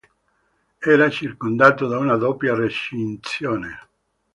Era circondato da una doppia recinzione.